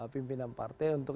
pimpinan partai untuk